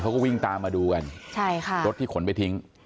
เขาก็วิ่งตามมาดูกันใช่ค่ะรถที่ขนไปทิ้ง